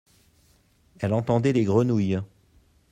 Elle entendait les grenouilles.